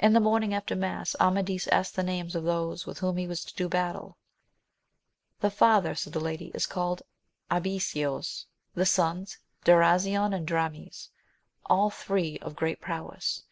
In the morning after mass, Amadis asked the names of those with whom he was to do battle. The father, said the lady, is called Abiseos, the sons Darasion and Dramis, all three of great prowess.